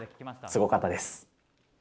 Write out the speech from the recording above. すごかったです。